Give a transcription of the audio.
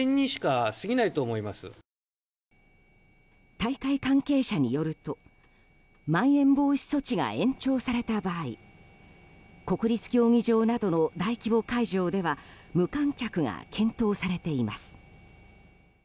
大会関係者によるとまん延防止措置が延長された場合国立競技場などの大規模会場では無観客が検討されています。